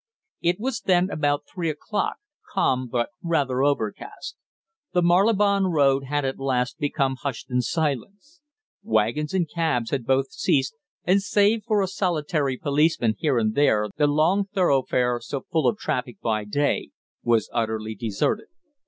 It was then about three o'clock, calm, but rather overcast. The Marylebone Road had at last become hushed in silence. Wagons and cabs had both ceased, and save for a solitary policeman here and there the long thoroughfare, so full of traffic by day, was utterly deserted.